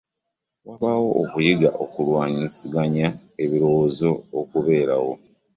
Wabaawo okuyiga olw’okuwanyisiganya ebirowoozo okubeerawo.